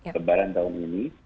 kebaran tahun ini